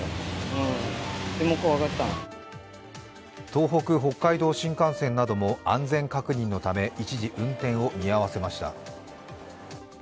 東北・北海道新幹線なども安全確認のため一時、運転を見合わせました。